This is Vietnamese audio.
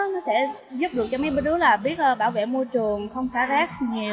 nó sẽ giúp được cho mấy đứa là biết bảo vệ môi trường không xả rác nghèo